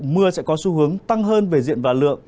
mưa sẽ có xu hướng tăng hơn về diện và lượng